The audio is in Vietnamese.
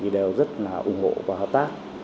đều rất là ủng hộ và hợp tác